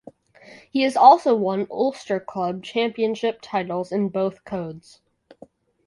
He has also won Ulster Club Championship titles in both codes.